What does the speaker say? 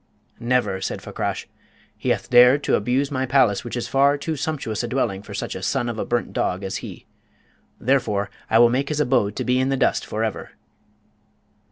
"Never," said Fakrash. "He hath dared to abuse my palace, which is far too sumptuous a dwelling for such a son of a burnt dog as he. Therefore, I will make his abode to be in the dust for ever."